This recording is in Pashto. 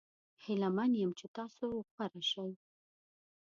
هیله من یم چې تاسو غوره شي.